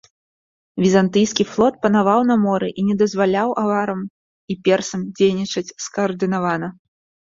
Візантыйскі флот панаваў на моры і не дазваляў аварам і персам дзейнічаць скаардынавана.